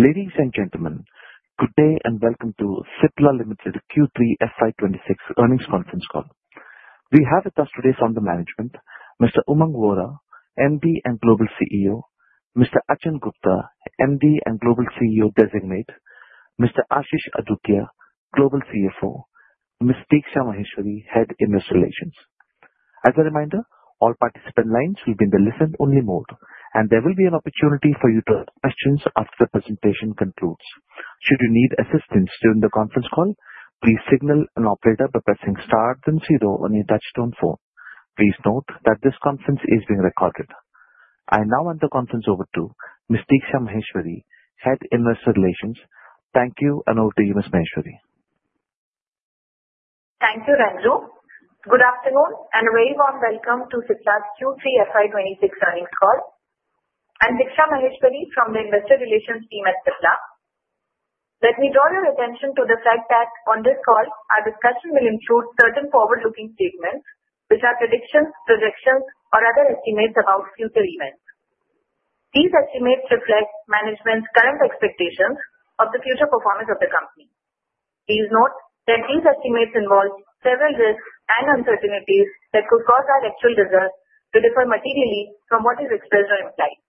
Ladies and gentlemen, good day and welcome to Cipla Limited Q3 FY 2026 earnings conference call. We have with us today from the management, Mr. Umang Vohra, MD and Global CEO; Mr. Achin Gupta, MD and Global CEO Designate; Mr. Ashish Adukia, Global CFO; Ms. Diksha Maheshwari, Head Investor Relations. As a reminder, all participant lines will be in the listen-only mode, and there will be an opportunity for you to ask questions after the presentation concludes. Should you need assistance during the conference call, please signal an operator by pressing star then zero on your touch-tone phone. Please note that this conference is being recorded. I now hand the conference over to Ms. Diksha Maheshwari, Head Investor Relations. Thank you, and over to you, Ms. Maheshwari. Thank you, Ranju. Good afternoon and a very warm welcome to Cipla's Q3 FY 2026 earnings call. I'm Diksha Maheshwari from the Investor Relations team at Cipla. Let me draw your attention to the fact that on this call, our discussion will include certain forward-looking statements which are predictions, projections, or other estimates about future events. These estimates reflect management's current expectations of the future performance of the company. Please note that these estimates involve several risks and uncertainties that could cause our actual results to differ materially from what is expressed or implied.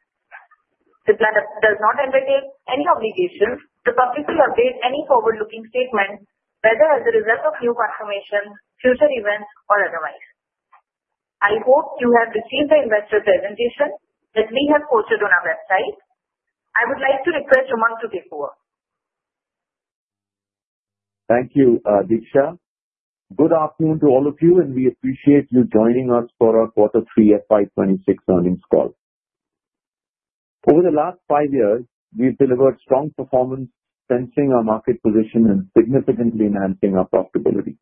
Cipla does not entertain any obligation to publicly update any forward-looking statements, whether as a result of new information, future events, or otherwise. I hope you have received the investor presentation that we have posted on our website. I would like to request Umang to take over. Thank you, Diksha. Good afternoon to all of you, and we appreciate you joining us for our quarter three FY 2026 earnings call. Over the last five years, we've delivered strong performance, sensing our market position and significantly enhancing our profitability.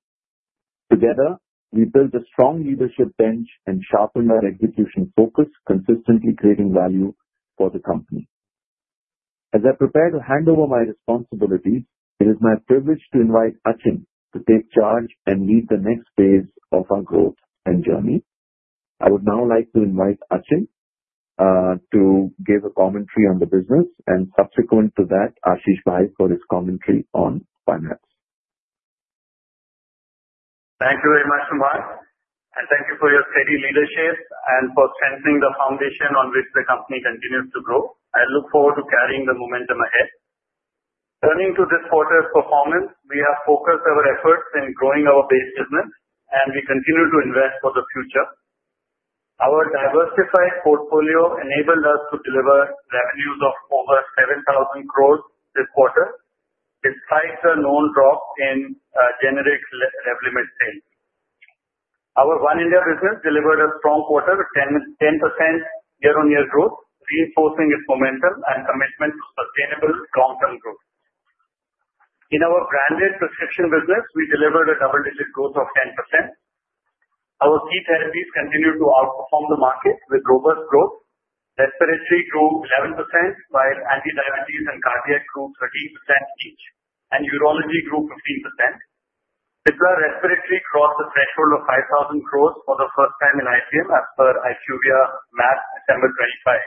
Together, we've built a strong leadership bench and sharpened our execution focus, consistently creating value for the company. As I prepare to hand over my responsibilities, it is my privilege to invite Achin to take charge and lead the next phase of our growth and journey. I would now like to invite Achin to give a commentary on the business, and subsequent to that, Ashish Bhai for his commentary on finance. Thank you very much, Umang. Thank you for your steady leadership and for strengthening the foundation on which the company continues to grow. I look forward to carrying the momentum ahead. Turning to this quarter's performance, we have focused our efforts in growing our base business, and we continue to invest for the future. Our diversified portfolio enabled us to deliver revenues of over 7,000 crore this quarter, despite the known drop in generic revenue-based sales. Our One India business delivered a strong quarter, 10% year-on-year growth, reinforcing its momentum and commitment to sustainable long-term growth. In our branded prescription business, we delivered a double-digit growth of 10%. Our key therapies continue to outperform the market with robust growth. Respiratory grew 11%, while antidiabetes and cardiac grew 13% each, and urology grew 15%. Cipla Respiratory crossed the threshold of 5,000 crores for the first time in IPM as per IQVIA MAT, December 25.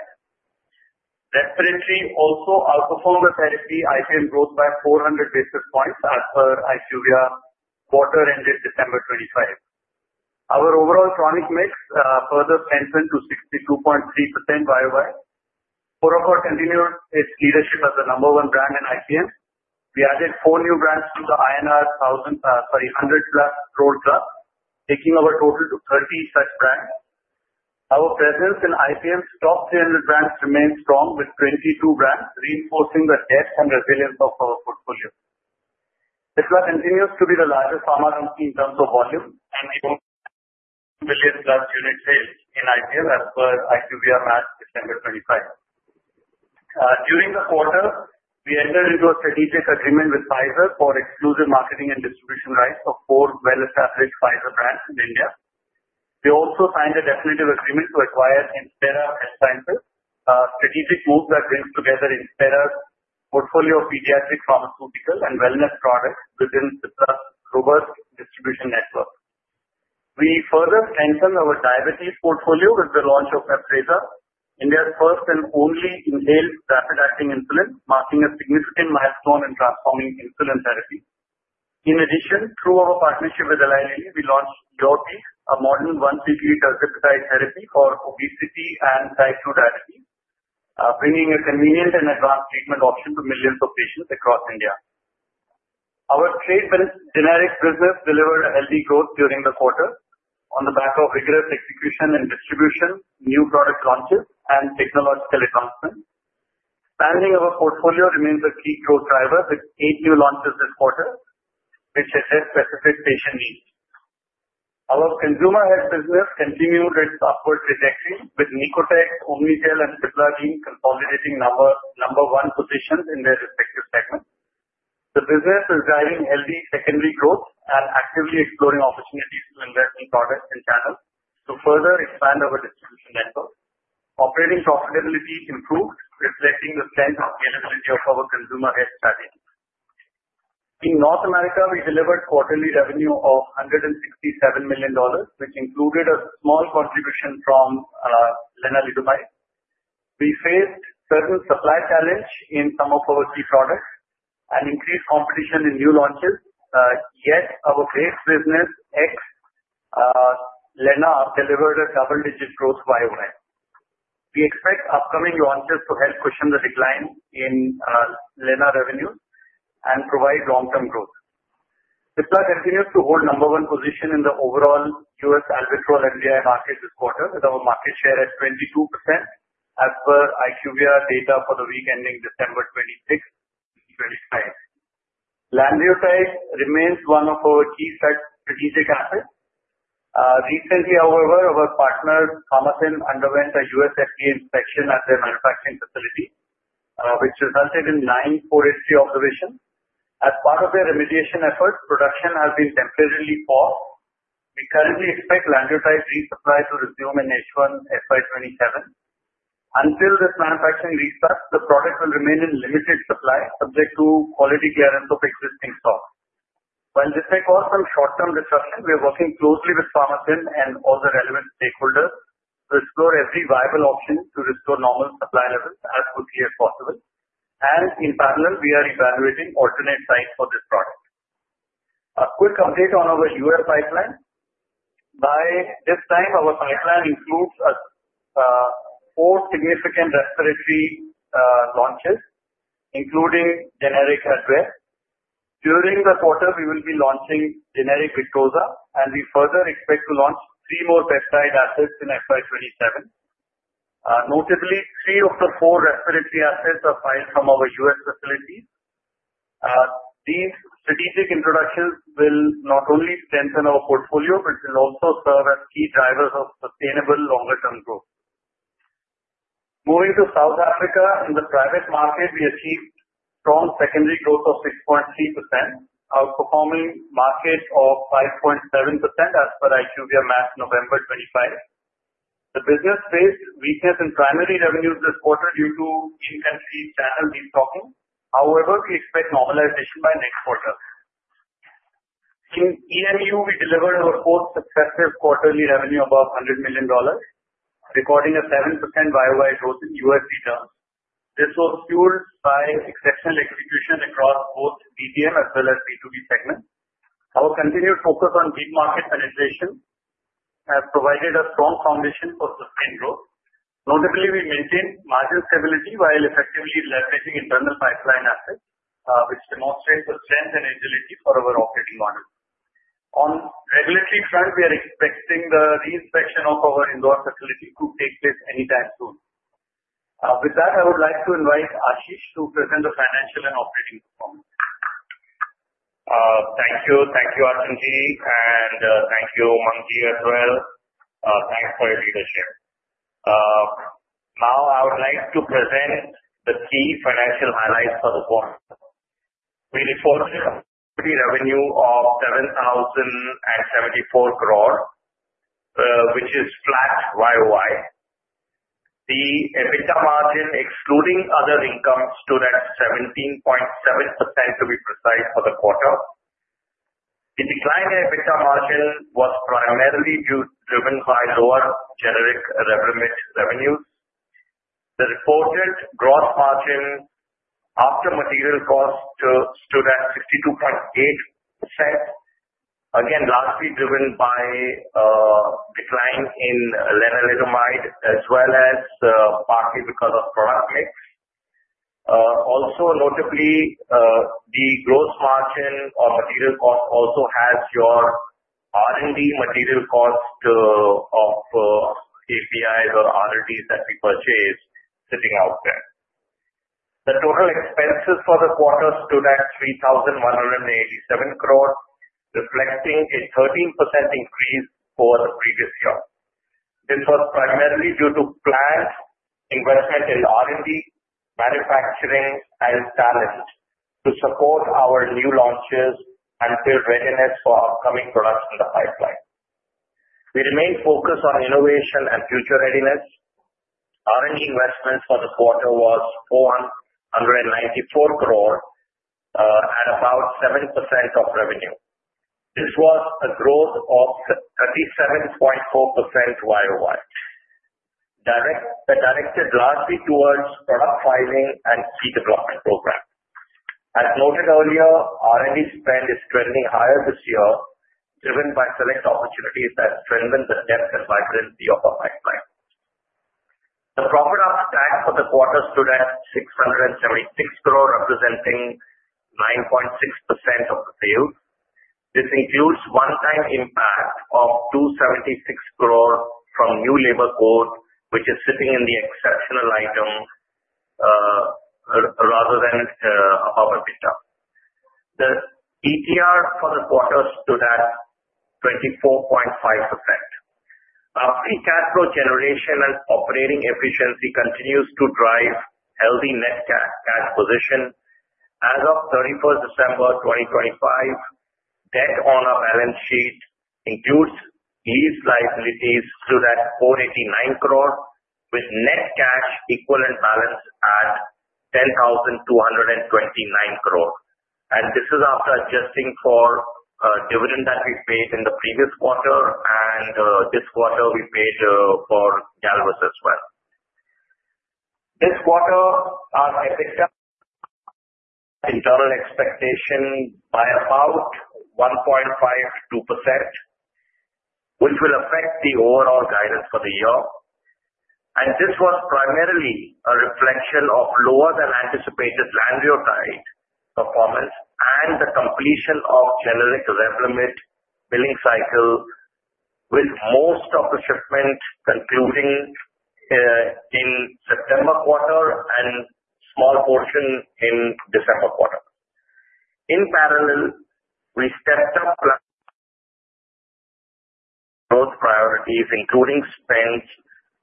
Respiratory also outperformed the therapy IPM growth by 400 basis points as per IQVIA quarter-ended December 25. Our overall chronic mix further strengthened to 62.3% YoY. Foracort continued its leadership as the number one brand in IPM. We added four new brands to the INR 100-plus growth class, taking our total to 30 such brands. Our presence in IPM's top 300 brands remains strong with 22 brands, reinforcing the depth and resilience of our portfolio. Cipla continues to be the largest pharma company in terms of volume, and we own 10 billion-plus unit sales in IPM as per IQVIA MAT, December 25. During the quarter, we entered into a strategic agreement with Pfizer for exclusive marketing and distribution rights of four well-established Pfizer brands in India. We also signed a definitive agreement to acquire Esperer Onco Nutrition, a strategic move that brings together Esperer Onco Nutrition's portfolio of pediatric pharmaceutical and wellness products within Cipla's robust distribution network. We further strengthened our diabetes portfolio with the launch of Afrezza, India's first and only inhaled rapid-acting insulin, marking a significant milestone in transforming insulin therapy. In addition, through our partnership with Eli Lilly, we launched Mounjaro, a modern once-weekly tirzepatide therapy for obesity and Type 2 diabetes, bringing a convenient and advanced treatment option to millions of patients across India. Our trade generic business delivered a healthy growth during the quarter on the back of rigorous execution and distribution, new product launches, and technological advancements. Expanding our portfolio remains a key growth driver with eight new launches this quarter, which address specific patient needs. Our consumer health business continued its upward trajectory, with Nicotex, Omnigel, and Cipladine consolidating number one positions in their respective segments. The business is driving healthy secondary growth and actively exploring opportunities to invest in products and channels to further expand our distribution network. Operating profitability improved, reflecting the strength and scalability of our consumer health strategy. In North America, we delivered quarterly revenue of $167 million, which included a small contribution from Lenalidomide. We faced certain supply challenges in some of our key products and increased competition in new launches, yet our base business, ex Lenalidomide, delivered a double-digit growth YoY. We expect upcoming launches to help cushion the decline in Lenalidomide revenues and provide long-term growth. Cipla continues to hold number one position in the overall U.S. Albuterol MDI market this quarter, with our market share at 22% as per IQVIA data for the week ending December 26, 2025. Lanreotide remains one of our key strategic assets. Recently, however, our partner, Pharmathen, underwent a U.S. FDA inspection at their manufacturing facility, which resulted in nine 483 observations. As part of their remediation efforts, production has been temporarily paused. We currently expect lanreotide resupply to resume in H1 FY 2027. Until this manufacturing restarts, the product will remain in limited supply, subject to quality clearance of existing stock. While this may cause some short-term disruption, we are working closely with Pharmathen and other relevant stakeholders to explore every viable option to restore normal supply levels as quickly as possible. In parallel, we are evaluating alternate sites for this product. A quick update on our U.S. pipeline. By this time, our pipeline includes four significant respiratory launches, including generic Advair. During the quarter, we will be launching generic Victoza, and we further expect to launch three more peptide assets in FY 2027. Notably, three of the four respiratory assets are filed from our US facilities. These strategic introductions will not only strengthen our portfolio, but will also serve as key drivers of sustainable longer-term growth. Moving to South Africa, in the private market, we achieved strong secondary growth of 6.3%, outperforming market of 5.7% as per IQVIA MAT, November 25. The business faced weakness in primary revenues this quarter due to in-country channel restocking. However, we expect normalization by next quarter. In EMU, we delivered our fourth successive quarterly revenue above $100 million, recording a 7% YoY growth in USD terms. This was fueled by exceptional execution across both DTM as well as B2B segments. Our continued focus on big market penetration has provided a strong foundation for sustained growth. Notably, we maintained margin stability while effectively leveraging internal pipeline assets, which demonstrates the strength and agility for our operating model. On the regulatory front, we are expecting the reinspection of our Indore facility to take place anytime soon. With that, I would like to invite Ashish to present the financial and operating performance. Thank you. Thank you, Achin, and thank you, Umang Vohra, as well. Thanks for your leadership. Now, I would like to present the key financial highlights for the quarter. We reported revenue of 7,074 crore, which is flat YoY. The EBITDA margin, excluding other incomes, stood at 17.7%, to be precise, for the quarter. The decline in EBITDA margin was primarily driven by lower generic revenues. The reported gross margin after material costs stood at 62.8%, again, largely driven by a decline in Lenalidomide, as well as partly because of product mix. Also, notably, the gross margin or material cost also has your R&D material cost of APIs or R&Ds that we purchased sitting out there. The total expenses for the quarter stood at 3,187 crore, reflecting a 13% increase over the previous year. This was primarily due to planned investment in R&D, manufacturing, and talent to support our new launches and build readiness for upcoming products in the pipeline. We remained focused on innovation and future readiness. R&D investment for the quarter was 4,194 crore at about 7% of revenue. This was a growth of 37.4% YoY, directed largely towards product filing and key development programs. As noted earlier, R&D spend is trending higher this year, driven by select opportunities that strengthen the depth and vibrancy of our pipeline. The profit after tax for the quarter stood at 676 crore, representing 9.6% of the sales. This includes one-time impact of 276 crore from new labor code, which is sitting in the exceptional item rather than above EBITDA. The ETR for the quarter stood at 24.5%. Our free cash flow generation and operating efficiency continues to drive healthy net cash position. As of 31st December 2025, debt on our balance sheet includes lease liabilities stood at 489 crore, with net cash equivalent balance at 10,229 crore. This is after adjusting for dividend that we paid in the previous quarter, and this quarter we paid for Galvus as well. This quarter, our EBITDA internal expectation by about 1.5%-2%, which will affect the overall guidance for the year. This was primarily a reflection of lower than anticipated lanreotide performance and the completion of generic Revlimid billing cycle, with most of the shipment concluding in September quarter and a small portion in December quarter. In parallel, we stepped up growth priorities, including spend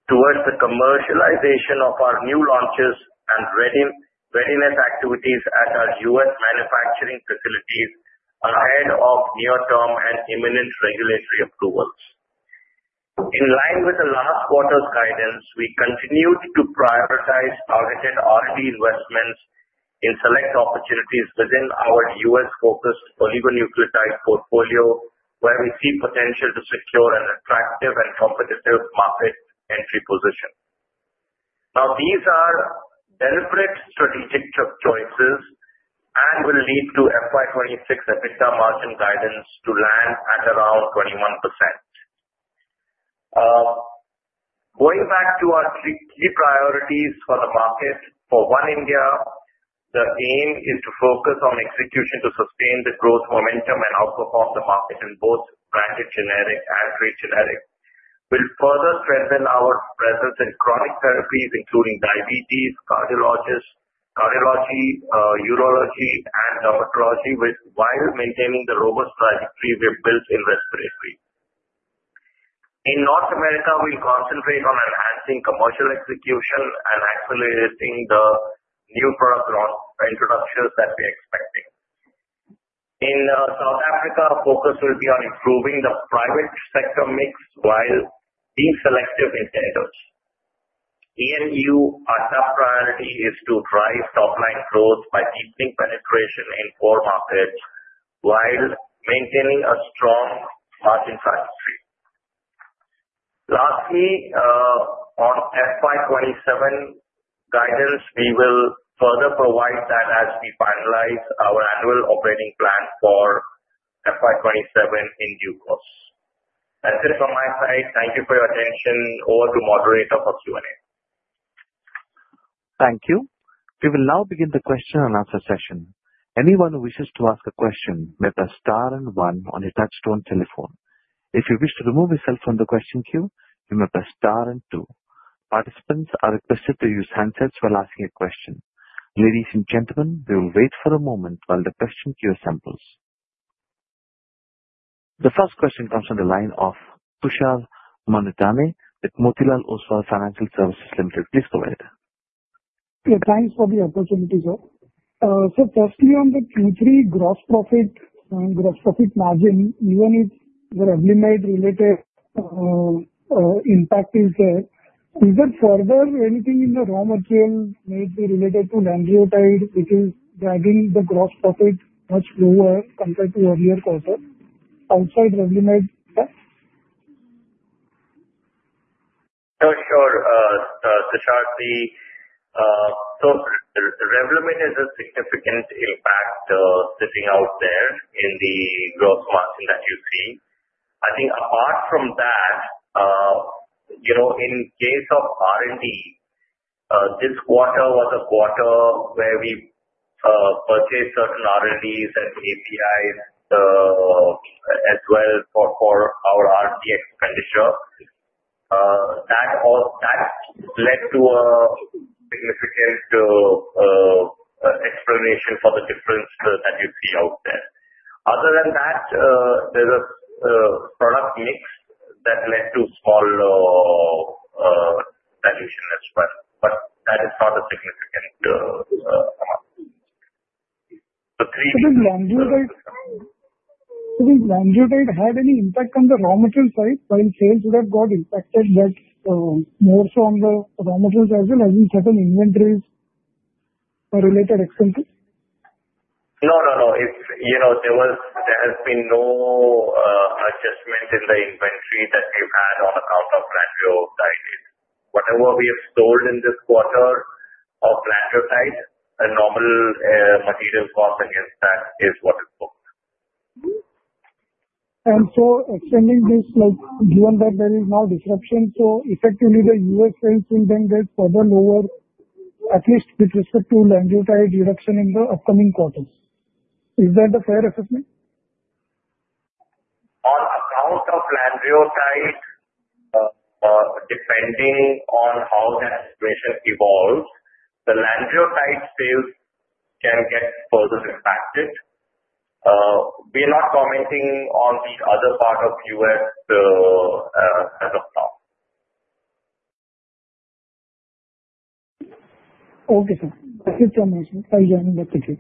towards the commercialization of our new launches and readiness activities at our U.S. manufacturing facilities ahead of near-term and imminent regulatory approvals. In line with the last quarter's guidance, we continued to prioritize targeted R&D investments in select opportunities within our U.S.-focused oligonucleotide portfolio, where we see potential to secure an attractive and competitive market entry position. Now, these are deliberate strategic choices and will lead to FY 2026 EBITDA margin guidance to land at around 21%. Going back to our key priorities for the market for One India, the aim is to focus on execution to sustain the growth momentum and outperform the market in both branded generic and trade generic. We'll further strengthen our presence in chronic therapies, including diabetes, cardiology, urology, and dermatology, while maintaining the robust trajectory we've built in respiratory. In North America, we'll concentrate on enhancing commercial execution and accelerating the new product introductions that we're expecting. In South Africa, our focus will be on improving the private sector mix while being selective in tenders. EMU, our top priority, is to drive top-line growth by deepening penetration in four markets while maintaining a strong margin trajectory. Lastly, on FY 2027 guidance, we will further provide that as we finalize our annual operating plan for FY 2027 in due course. That's it from my side. Thank you for your attention. Over to the moderator for Q&A. Thank you. We will now begin the question and answer session. Anyone who wishes to ask a question may press star and one on a touch-tone telephone. If you wish to remove yourself from the question queue, you may press star and two. Participants are requested to use handsets while asking a question. Ladies and gentlemen, we will wait for a moment while the question queue assembles. The first question comes from the line of Tushar Manudhane with Motilal Oswal Financial Services Limited. Please go ahead. Thanks for the opportunity, sir. So firstly, on the Q3 gross profit margin, even if the Lenalidomide related impact is there, is there further anything in the raw material maybe related to lanreotide, which is dragging the gross profit much lower compared to earlier quarters outside Lenalidomide impact? Sure, sure, Tushar. So Lenalidomide is a significant impact sitting out there in the gross margin that you see. I think apart from that, in case of R&D, this quarter was a quarter where we purchased certain R&Ds and APIs as well for our R&D expenditure. That led to a significant explanation for the difference that you see out there. Other than that, there's a product mix that led to small valuation as well, but that is not a significant amount. Does lanreotide have any impact on the raw material side while sales would have got impacted more so on the raw materials as well as in certain inventories related expenses? No, no, no. There has been no adjustment in the inventory that we've had on account of lanreotide data. Whatever we have sold in this quarter of lanreotide and normal material cost against that is what is booked. And so extending this, given that there is now disruption, so effectively the US sales will then get further lower, at least with respect to lanreotide reduction in the upcoming quarters. Is that a fair assessment? On account of lanreotide, depending on how that situation evolves, the lanreotide sales can get further impacted. We are not commenting on the other part of the U.S. as of now. Okay. Thank you so much for joining the question.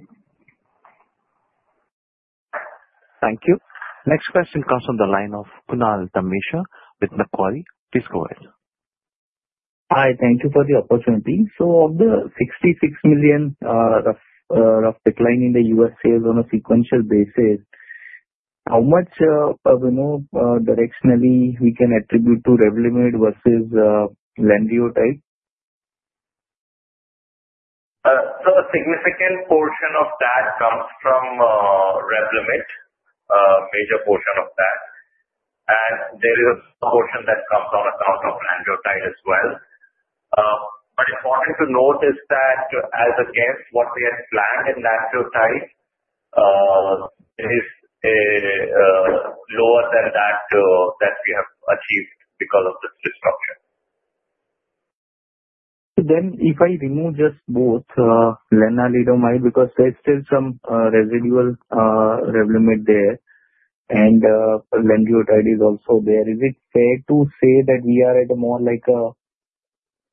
Thank you. Next question comes from the line of Kunal Dhamesha with Macquarie. Please go ahead. Hi. Thank you for the opportunity. So of the $66 million of decline in the U.S. sales on a sequential basis, how much directionally we can attribute to Lenalidomide versus lanreotide? So a significant portion of that comes from Lenalidomide, major portion of that. And there is a portion that comes on account of lanreotide as well. But important to note is that, as against what we had planned in lanreotide, it is lower than that we have achieved because of this shortage. Then if I remove just both, Lenalidomide, because there's still some residual revenue-based there, and lanreotide is also there, is it fair to say that we are at more like a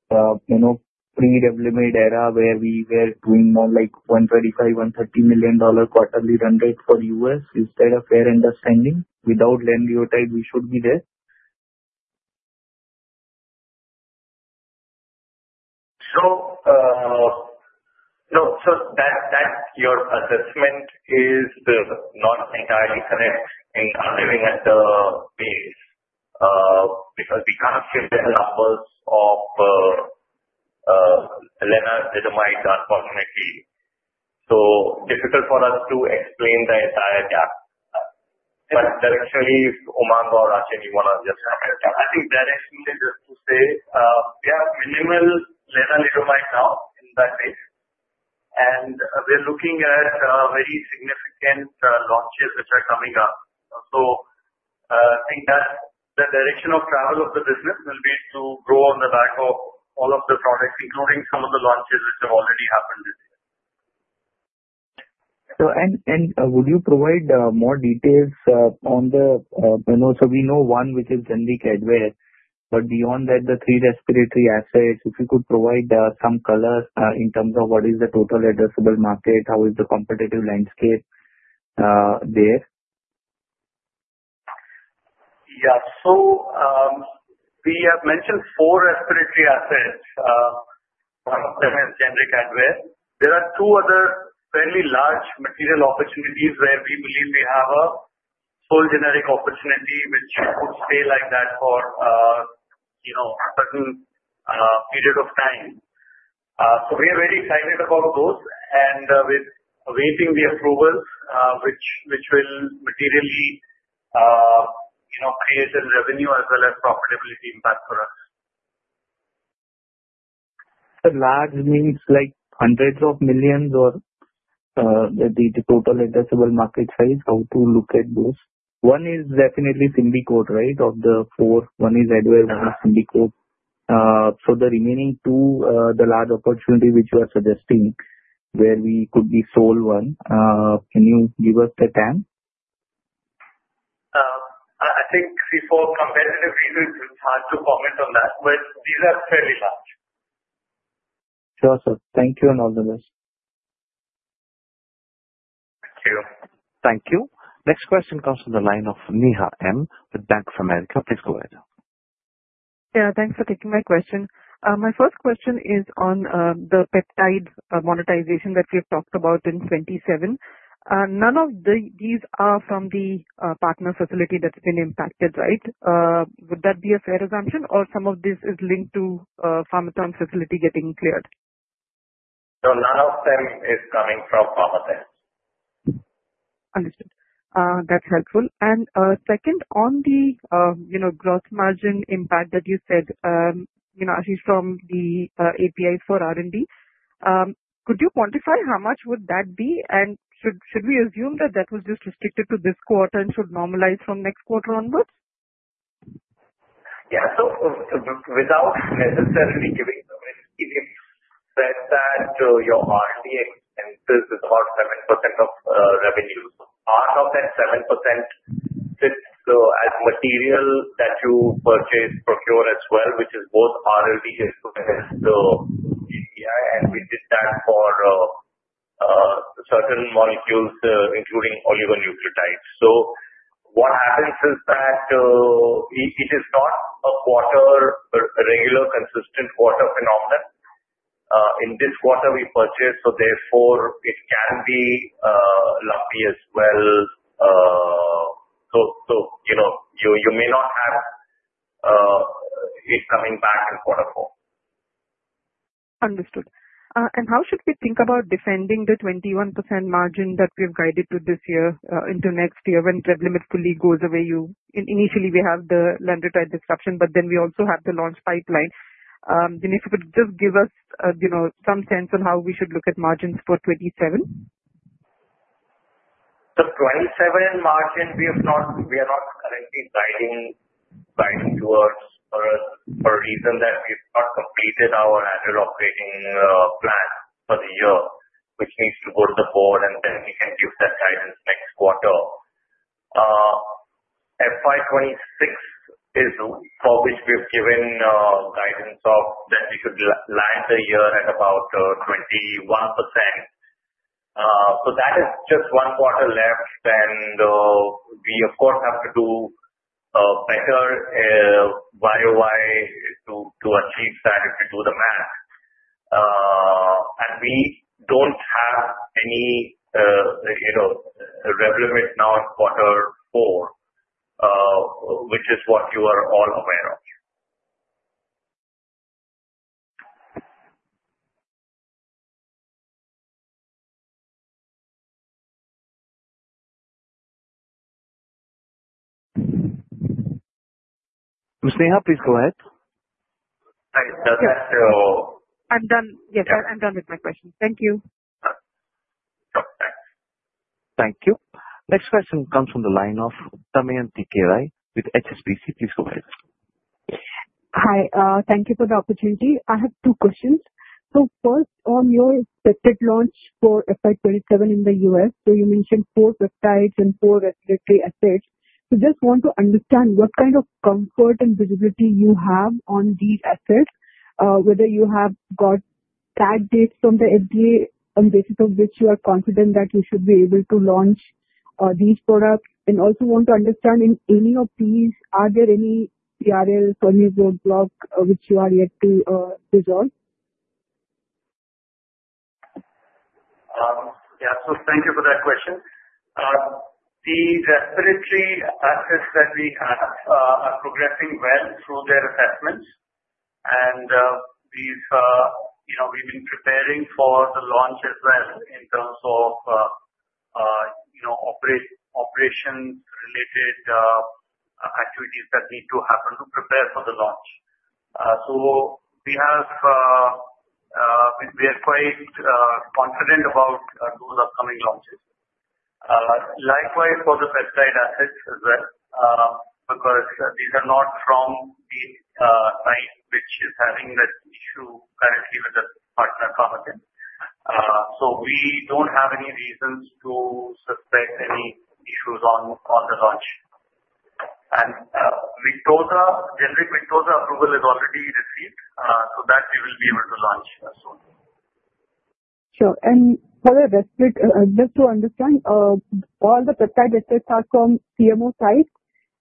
pre-revenue-based era where we were doing more like $125 million-$130 million quarterly run rate for U.S.? Is that a fair understanding? Without lanreotide, we should be there? So that your assessment is not entirely correct in our lagging at the base because we can't share the numbers of Lenalidomide, unfortunately. It's so difficult for us to explain the entire gap. But actually, Umang Vohra, if you want to just comment. I think directly just to say we have minimal Lenalidomide now in that case, and we're looking at very significant launches which are coming up. So I think that the direction of travel of the business will be to grow on the back of all of the products, including some of the launches which have already happened this year. Would you provide more details on the one we know which is generic Advair, but beyond that, the three respiratory assets, if you could provide some colors in terms of what is the total addressable market, how is the competitive landscape there? Yeah. So we have mentioned four respiratory assets. One of them is generic Advair. There are two other fairly large material opportunities where we believe we have a full generic opportunity, which would stay like that for a certain period of time. So we are very excited about those, and we're awaiting the approvals, which will materially create revenue as well as profitability impact for us. So large means like hundreds of millions or the total addressable market size. How to look at those? One is definitely SYMBICORT, right, of the four. One is Advair, one is SYMBICORT. So the remaining two, the large opportunity which you are suggesting where we could be sold one, can you give us the time? I think for competitive reasons, it's hard to comment on that, but these are fairly large. Sure, sir. Thank you and all the best. Thank you. Thank you. Next question comes from the line of Neha M with Bank of America. Please go ahead. Yeah. Thanks for taking my question. My first question is on the peptide monetization that we have talked about in 2027. None of these are from the partner facility that's been impacted, right? Would that be a fair assumption, or some of this is linked to Pharmathen facility getting cleared? No, none of them is coming from Pharmathen. Understood. That's helpful. And second, on the gross margin impact that you said, at least from the API for R&D, could you quantify how much would that be, and should we assume that that was just restricted to this quarter and should normalize from next quarter onwards? Yeah. So without necessarily giving the risk, if you set that your R&D expenses is about 7% of revenue, part of that 7% sits as material that you purchase, procure as well, which is both R&D and API, and we did that for certain molecules, including oligonucleotides. So what happens is that it is not a quarter regular consistent quarter phenomenon. In this quarter, we purchased, so therefore it can be lumpy as well. So you may not have it coming back in quarter four. Understood. And how should we think about defending the 21% margin that we have guided to this year into next year when Revlimid fully goes away? Initially, we have the lanreotide disruption, but then we also have the launch pipeline. If you could just give us some sense on how we should look at margins for 2027? 2027 margin, we are not currently guiding towards for a reason that we've not completed our annual operating plan for the year, which needs to go to the board, and then we can give that guidance next quarter. FY 2026 is for which we've given guidance that we should land the year at about 21%. That is just one quarter left, and we, of course, have to do a better YoY to achieve that if we do the math. And we don't have any Lenalidomide now in quarter four, which is what you are all aware of. Ms. Neha, please go ahead. I'm done. Yes, I'm done with my questions. Thank you. Sure. Thanks. Thank you. Next question comes from the line of Damayanti Kerai with HSBC. Please go ahead. Hi. Thank you for the opportunity. I have two questions. So first, on your expected launch for FY 2027 in the U.S., so you mentioned four peptides and four respiratory assets. So just want to understand what kind of comfort and visibility you have on these assets, whether you have got tag dates from the FDA on basis of which you are confident that you should be able to launch these products. And also want to understand, in any of these, are there any PRL, permits, or block which you are yet to resolve? Yeah. So thank you for that question. The respiratory assets that we have are progressing well through their assessments, and we've been preparing for the launch as well in terms of operation-related activities that need to happen to prepare for the launch. So we are quite confident about those upcoming launches. Likewise for the peptide assets as well, because these are not from the site which is having that issue currently with the partner pharmacy. So we don't have any reasons to suspect any issues on the launch. And Victoza approval is already received, so that we will be able to launch soon. Sure. And for the respiratory, just to understand, all the peptide assets are from CMO sites,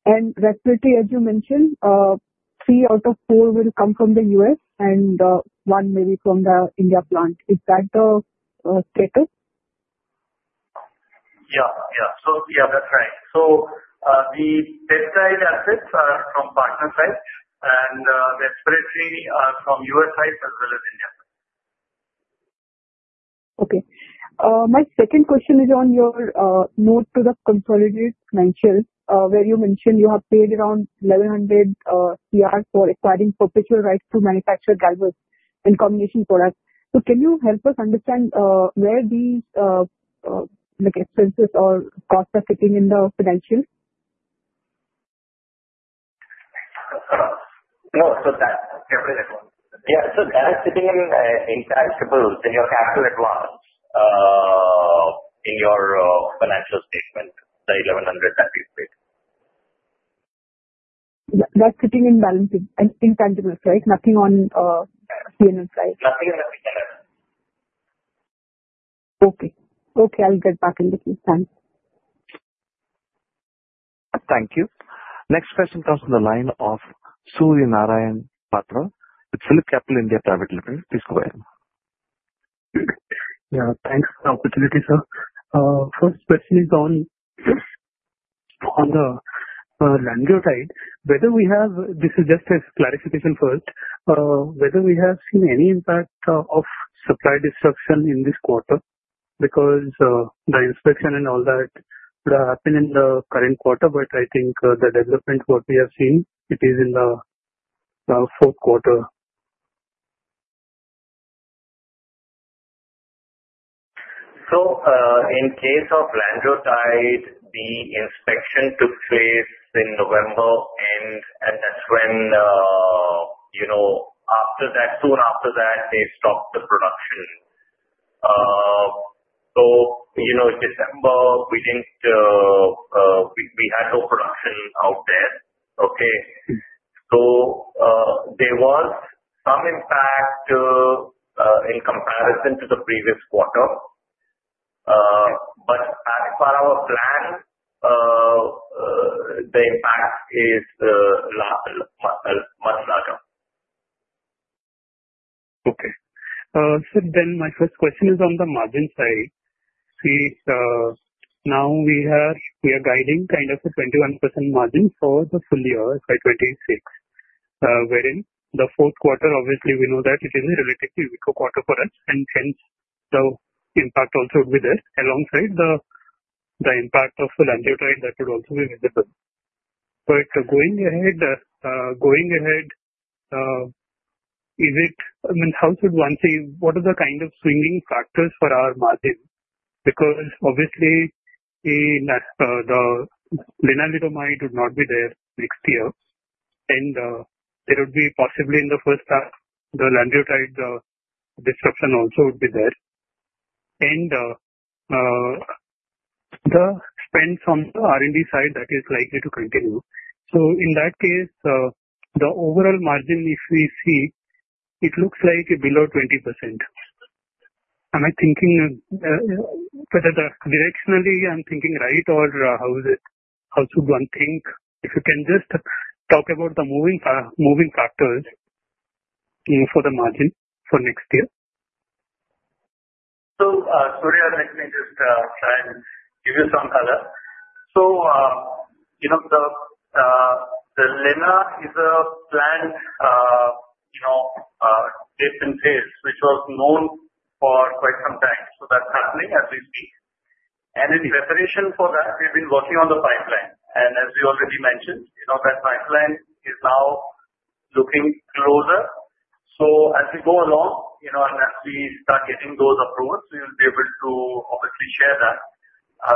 and respiratory, as you mentioned, three out of four will come from the U.S. and one maybe from the India plant. Is that the status? Yeah. Yeah. So yeah, that's right. So the peptide assets are from partner sites, and respiratory are from U.S. sites as well as India sites. Okay. My second question is on your note to the consolidated financials where you mentioned you have paid around 1,100 crore for acquiring perpetual rights to manufacture Galvus and combination products. So can you help us understand where these expenses or costs are sitting in the financials? No. So that's, yeah. So that's sitting in intangibles in your capital allocation in your financial statement, the 1,100 that we've paid. That's sitting in balance sheet and intangibles, right? Nothing on CNS side? Nothing in the CNS. Okay. Okay. I'll get back in the queue. Thanks. Thank you. Next question comes from the line of Surya Narayan Patra with PhillipCapital. Please go ahead. Yeah. Thanks for the opportunity, sir. First question is on the lanreotide whether we have this is just a clarification first whether we have seen any impact of supply disruption in this quarter because the inspection and all that would have happened in the current quarter, but I think the development what we have seen, it is in the fourth quarter. In case of lanreotide, the inspection took place in November, and that's when, after that, soon after that, they stopped the production. So in December, we had no production out there. Okay? There was some impact in comparison to the previous quarter, but as per our plan, the impact is much larger. Okay. So then my first question is on the margin side. Now we are guiding kind of a 21% margin for the full year, FY 2026, wherein the fourth quarter, obviously, we know that it is a relatively weaker quarter for us, and hence the impact also would be there alongside the impact of lanreotide that would also be visible. But going ahead, is it I mean, how should one see what are the kind of swinging factors for our margin? Because obviously, the Lenalidomide would not be there next year, and there would be possibly in the first half, the lanreotide disruption also would be there. And the spend from the R&D side that is likely to continue. So in that case, the overall margin, if we see, it looks like below 20%. Am I thinking whether directionally I'm thinking right, or how should one think? If you can just talk about the moving factors for the margin for next year? So Surya, let me just try and give you some color. So the Lenalidomide is a planned tapering phase which was known for quite some time. So that's happening as we speak. And in preparation for that, we've been working on the pipeline. And as we already mentioned, that pipeline is now looking closer. So as we go along and as we start getting those approvals, we will be able to obviously share that.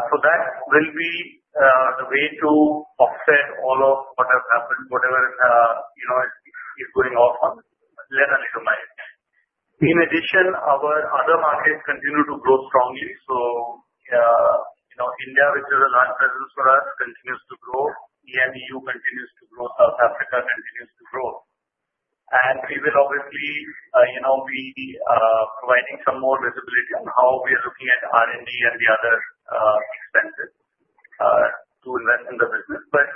So that will be the way to offset all of whatever happens, whatever is tapering off on Lenalidomide. In addition, our other markets continue to grow strongly. So India, which is a large presence for us, continues to grow. EMU continues to grow. South Africa continues to grow. And we will obviously be providing some more visibility on how we are looking at R&D and the other expenses to invest in the business. But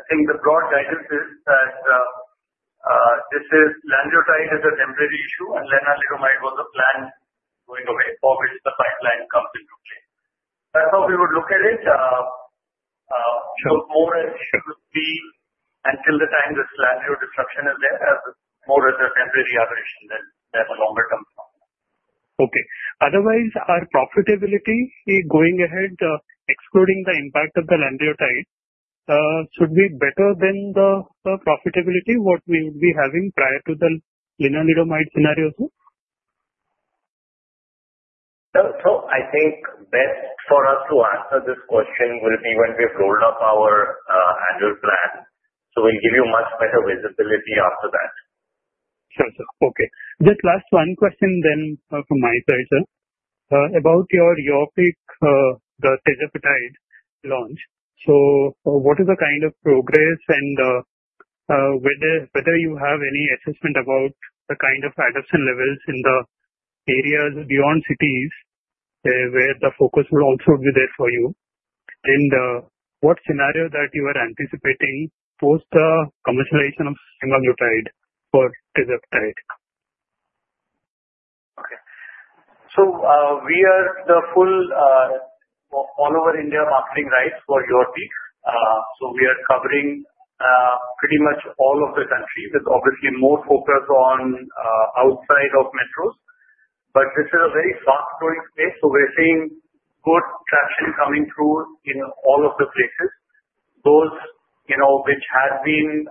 I think the broad guidance is that this is lanreotide is a temporary issue, and Lenalidomide was a plan going away for which the pipeline comes into play. That's how we would look at it. So more as it should be until the time this lanreotide disruption is there, more as a temporary operation than a longer-term plan. Okay. Otherwise, our profitability going ahead, excluding the impact of the lanreotide, should be better than the profitability what we would be having prior to the Lenalidomide scenario? I think best for us to answer this question will be when we have rolled up our annual plan. We'll give you much better visibility after that. Sure, sir. Okay. Just last one question then from my side, sir, about your Mounjaro, the tirzepatide launch. So what is the kind of progress and whether you have any assessment about the kind of adoption levels in the areas beyond cities where the focus will also be there for you? And what scenario that you are anticipating post-commercialization of semaglutide for tirzepatide? Okay. So we are the full all-over India marketing rights for Mounjaro. So we are covering pretty much all of the countries with obviously more focus on outside of metros. But this is a very fast-growing space, so we're seeing good traction coming through in all of the places, those which had been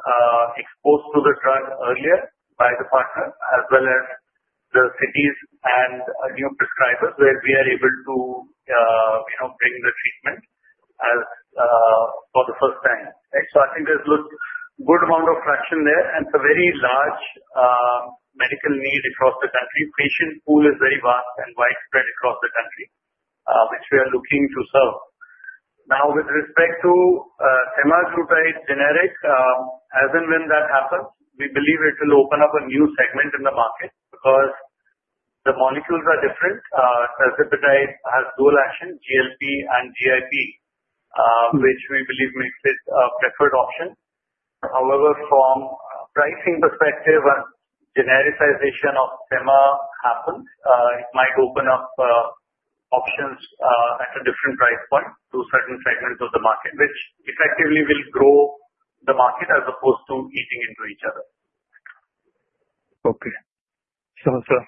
exposed to the drug earlier by the partner as well as the cities and new prescribers where we are able to bring the treatment for the first time. So I think there's good amount of traction there, and it's a very large medical need across the country. Patient pool is very vast and widespread across the country, which we are looking to serve. Now, with respect to semaglutide generic, as and when that happens, we believe it will open up a new segment in the market because the molecules are different. Tirzepatide has dual action, GLP and GIP, which we believe makes it a preferred option. However, from pricing perspective, when genericization of semaglutide happens, it might open up options at a different price point to certain segments of the market, which effectively will grow the market as opposed to eating into each other. Okay. Sure, sir.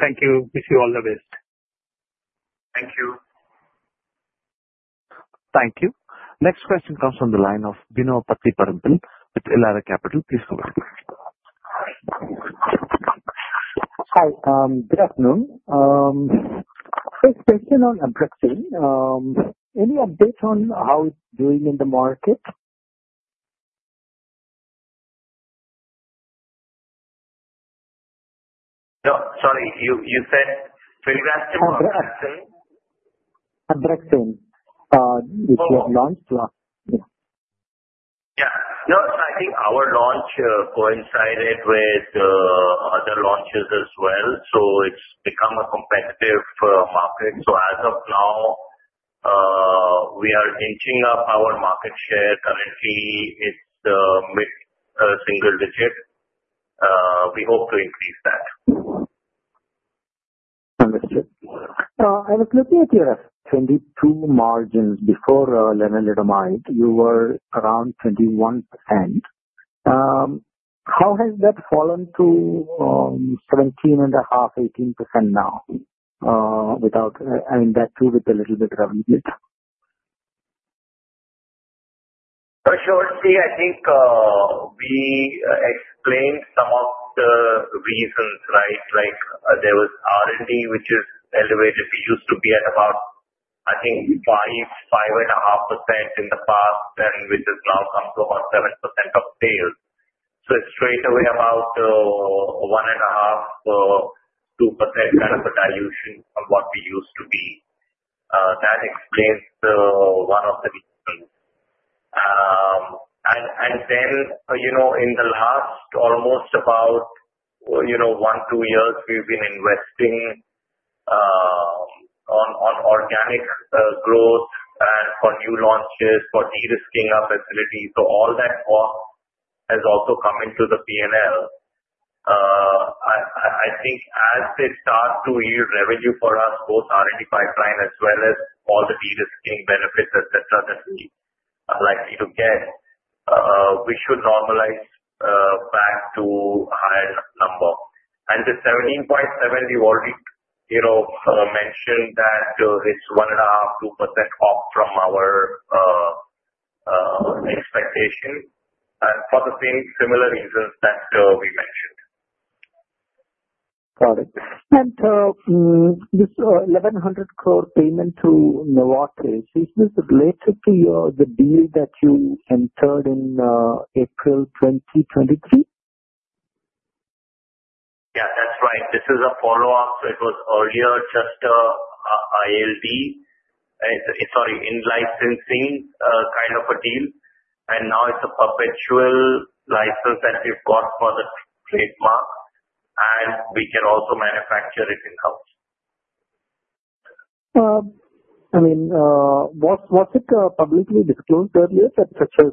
Thank you. Wish you all the best. Thank you. Thank you. Next question comes from the line of Bino Pathiparampil with Elara Capital. Please go ahead. Hi. Good afternoon. First question on Abraxane. Any update on how it's doing in the market? No. Sorry. You said Abraxane? Abraxane. Abraxane, which you have launched last year. Yeah. No. So I think our launch coincided with other launches as well, so it's become a competitive market. So as of now, we are inching up our market share. Currently, it's mid-single digit. We hope to increase that. Understood. I was looking at your 22 margins before Lenalidomide. You were around 21%. How has that fallen to 17.5%, 18% now without, I mean, that too with a little bit of revenue? Sure. See, I think we explained some of the reasons, right? There was R&D, which is elevated. We used to be at about, I think, 5%, 5.5% in the past, which has now come to about 7% of sales. So it's straightaway about 1.5%, 2% kind of a dilution from what we used to be. That explains one of the reasons. And then in the last almost about 1, 2 years, we've been investing on organic growth and for new launches, for de-risking our facilities. So all that cost has also come into the P&L. I think as they start to yield revenue for us, both R&D pipeline as well as all the de-risking benefits, etc., that we are likely to get, we should normalize back to a higher number. The 17.7%, we've already mentioned that it's 1.5%-2% off from our expectation for the same similar reasons that we mentioned. Got it. And this 1,100 crore payment to Novartis, is this related to the deal that you entered in April 2023? Yeah. That's right. This is a follow-up. So it was earlier just an ILD, sorry, in-licensing kind of a deal. And now it's a perpetual license that we've got for the trademark, and we can also manufacture it in-house. I mean, was it publicly disclosed earlier that such a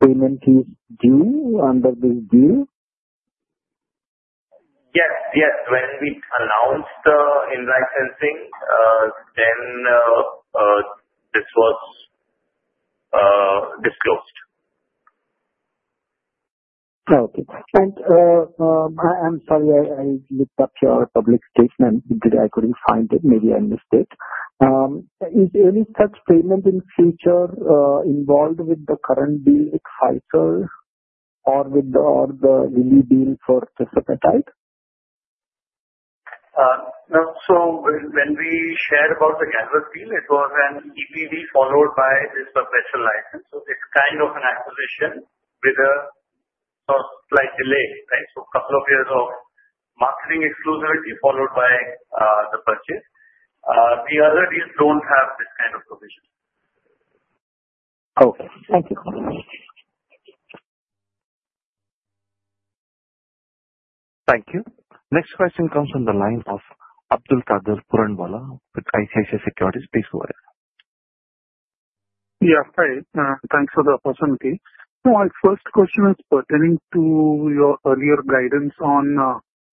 payment is due under this deal? Yes. Yes. When we announced the in-licensing, then this was disclosed. Okay. And I'm sorry, I looked up your public statement. I couldn't find it. Maybe I missed it. Is any such payment in the future involved with the current deal with Pfizer or with the Lilly deal for tirzepatide? No. So when we shared about the Galvus deal, it was an EPD followed by this perpetual license. So it's kind of an acquisition with a slight delay, right? So a couple of years of marketing exclusivity followed by the purchase. The other deals don't have this kind of provision. Okay. Thank you. Thank you. Next question comes from the line of Abdulkader Puranwala with ICICI Securities. Please go ahead. Yeah. Hi. Thanks for the opportunity. So my first question is pertaining to your earlier guidance on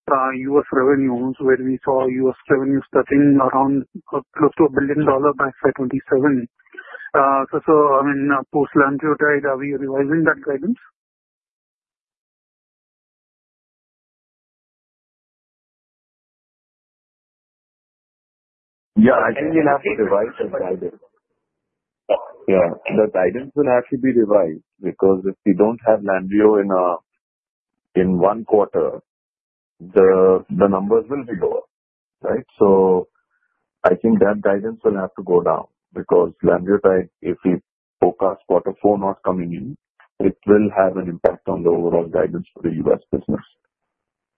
U.S. revenues where we saw U.S. revenues starting around close to $1 billion by FY 2027. So I mean, post-lanreotide, are we revising that guidance? Yeah. I think we'll have to revise the guidance. Yeah. The guidance will have to be revised because if we don't have lanreotide in one quarter, the numbers will be lower, right? So I think that guidance will have to go down because lanreotide, if we forecast quarter four not coming in, it will have an impact on the overall guidance for the U.S. business.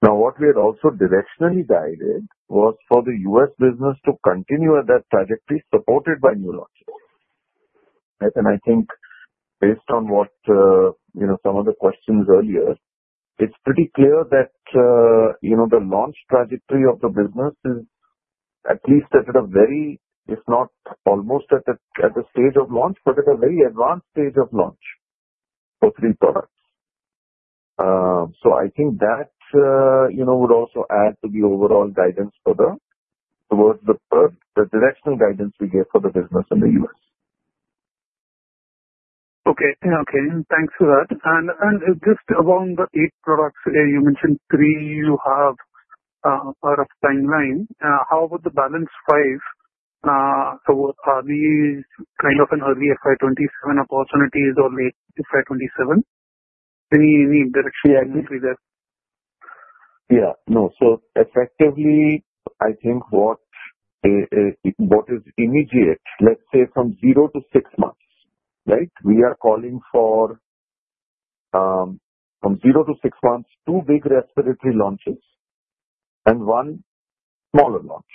Now, what we had also directionally guided was for the U.S. business to continue at that trajectory supported by new launches. And I think based on some of the questions earlier, it's pretty clear that the launch trajectory of the business is at least at a very, if not almost at the stage of launch, but at a very advanced stage of launch for three products. So I think that would also add to the overall guidance towards the directional guidance we gave for the business in the U.S. Okay. Okay. Thanks for that. And just along the 8 products, you mentioned 3 you have out of timeline. How about the balance 5? So are these kind of an early FY 2027 opportunities or late FY 2027? Any directional guidance with that? Yeah. No. So effectively, I think what is immediate, let's say from 0 to 6 months, right? We are calling for from 0 to 6 months, 2 big respiratory launches and 1 smaller launch,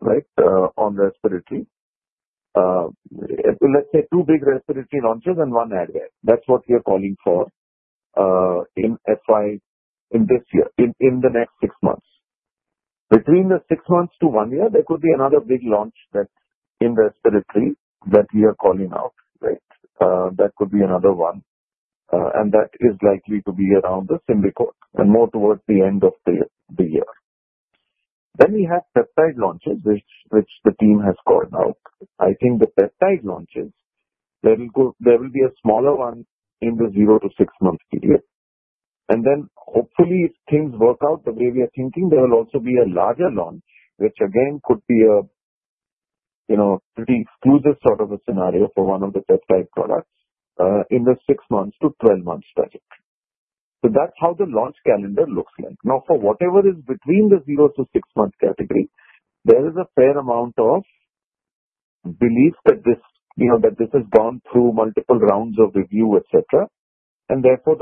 right, on respiratory. Let's say 2 big respiratory launches and 1 Albuterol. That's what we are calling for in this year, in the next 6 months. Between the 6 months to 1 year, there could be another big launch in respiratory that we are calling out, right? That could be another one. And that is likely to be around the SYMBICORT and more towards the end of the year. Then we have peptide launches, which the team has called out. I think the peptide launches, there will be a smaller one in the 0 to 6 month period. And then hopefully, if things work out the way we are thinking, there will also be a larger launch, which again could be a pretty exclusive sort of a scenario for one of the peptide products in the 6 months to 12 months trajectory. So that's how the launch calendar looks like. Now, for whatever is between the zero to 6-month category, there is a fair amount of belief that this has gone through multiple rounds of review, etc., and therefore